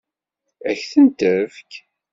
Ad k-ten-tefk?